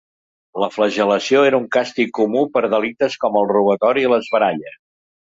La flagel·lació era un càstig comú per delictes com el robatori i les baralles.